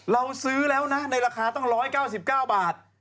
เราซื้อแล้วนะในราคาต้อง๑๙๙บาท